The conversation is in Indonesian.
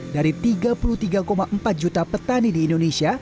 dari tiga puluh tiga empat juta petani di indonesia